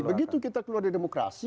begitu kita keluar dari demokrasi